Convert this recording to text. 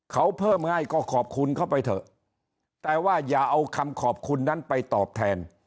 เขาเพิ่มให้ก็ขอบคุณเขาไปเถอะแต่ว่าอย่าเอาคำขอบคุณนั้นไปตอบแทน